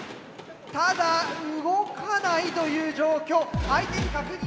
ただ動かないという状況。